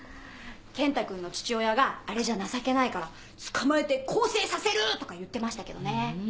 健太君の父親があれじゃ情けないから「捕まえて更生させる！」とか言ってましたけどね。